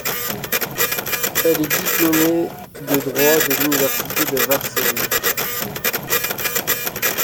Elle est diplômée de droit de l'université de Varsovie.